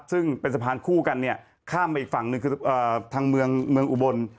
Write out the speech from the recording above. ซึ่งเป็นสะพานคู่กันเนี่ยข้ามไปอีกฝั่งหนึ่งคือทางเมืองอุบล